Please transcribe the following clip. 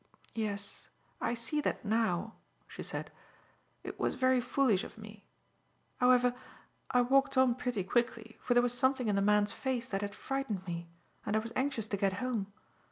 "Yes, I see that now," she said. "It was very foolish of me. However, I walked on pretty quickly, for there was something in the man's face that had frightened me, and I was anxious to get home.